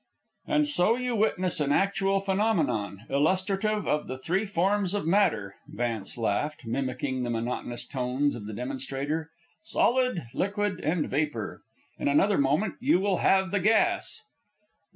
"And so you witness an actual phenomenon, illustrative of the three forms of matter," Vance laughed, mimicking the monotonous tones of the demonstrator; "solid, liquid, and vapor. In another moment you will have the gas."